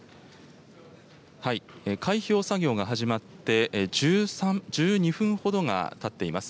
開票作業が始まって、１２分ほどがたっています。